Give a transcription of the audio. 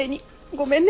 ごめんね。